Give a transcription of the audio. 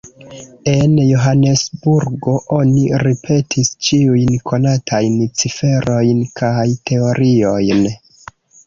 En Johanesburgo oni ripetis ĉiujn konatajn ciferojn kaj teoriojn.